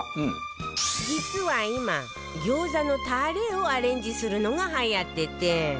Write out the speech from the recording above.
実は今餃子のタレをアレンジするのがはやってて